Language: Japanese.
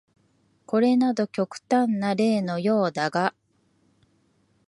これなど極端な例のようだが、